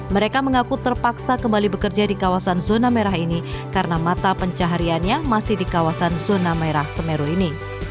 mereka mengaku terpaksa kembali bekerja di kawasan zona merah ini karena mata pencahariannya masih di kawasan zona merah semeru ini